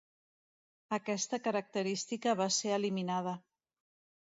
Aquesta característica va ser eliminada.